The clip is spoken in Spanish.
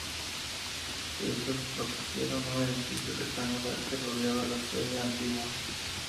Estos propusieron un edificio rectangular que rodeaba la sede antigua.